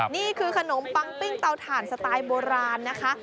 นี่คือขนมปังปิ้งเตาถ่านสไตล์โบราณนะคะ